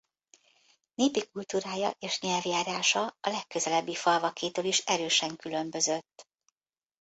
Népi kultúrája és nyelvjárása a legközelebbi falvakétól is erősen különbözött.